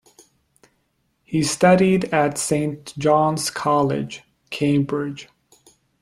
He studied at Saint John's College, Cambridge.